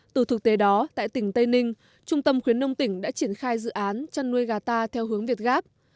từ thực tế đó tại tỉnh tây ninh trung tâm khuyến nông tỉnh đã triển khai dự án chăn nuôi gà ta theo hướng việt gáp